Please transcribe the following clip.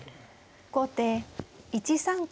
後手１三角。